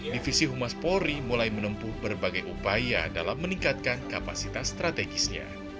divisi humas polri mulai menempuh berbagai upaya dalam meningkatkan kapasitas strategisnya